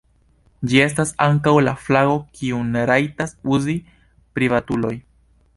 Ĝi estas ankaŭ la flago kiun rajtas uzi privatuloj.